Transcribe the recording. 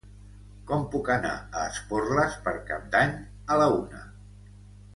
Com puc anar a Esporles per Cap d'Any a la una?